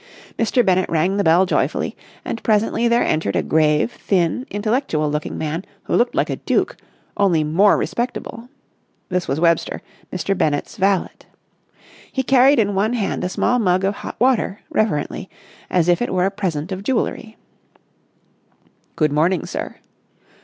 Mr. Bennett rang the bell joyfully, and presently there entered a grave, thin, intellectual looking man who looked like a duke, only more respectable. This was Webster, Mr. Bennett's valet. He carried in one hand a small mug of hot water, reverently, as if it were a present of jewellery. "Good morning, sir."